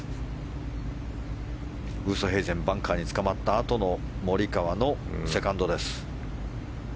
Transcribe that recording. ウーストヘイゼンバンカーにつかまったあとのモリカワのセカンドです。